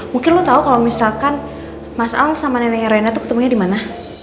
mungkin lo tau kalau misalkan mas al sama neneknya reina ketemunya dimana